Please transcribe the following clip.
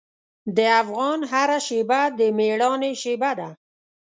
د افغان هره شېبه د میړانې شېبه ده.